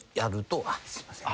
すいません。